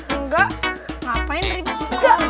enggak ngapain menerima ke kalang